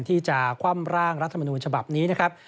คว่ำร่างรัฐมนูญฉบับนี้นะครับ